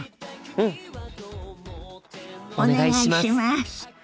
うん！お願いします。